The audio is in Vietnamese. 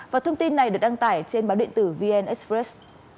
và thông tin này được đăng tải trên báo điện tử vn express